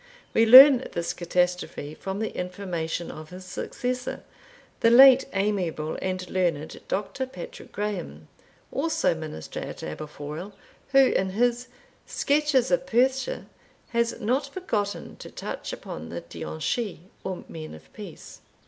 We learn this catastrophe from the information of his successor, the late amiable and learned Dr. Patrick Grahame, also minister at Aberfoil, who, in his Sketches of Perthshire, has not forgotten to touch upon the Daoine Schie, or men of peace.